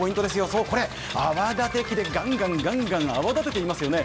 そう、これ、泡立て器でガンガン泡立てていますよね。